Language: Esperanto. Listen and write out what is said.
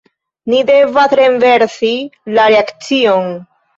Ni devas renversi la reakcion!